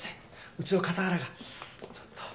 うちの笠原がちょっと。